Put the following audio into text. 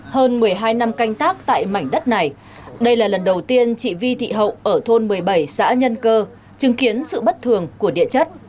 hơn một mươi hai năm canh tác tại mảnh đất này đây là lần đầu tiên chị vi thị hậu ở thôn một mươi bảy xã nhân cơ chứng kiến sự bất thường của địa chất